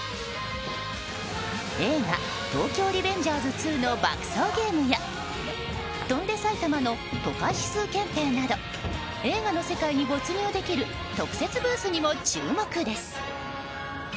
映画「東京リベンジャーズ２」の爆走ゲームや「翔んで埼玉」の都会指定検定など映画の世界に没入できる特設ブースにも注目です。